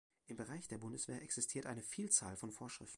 Im Bereich der Bundeswehr existiert eine Vielzahl von Vorschriften.